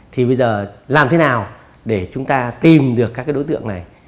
thì bây giờ làm thế nào để chúng ta tìm được các đối tượng này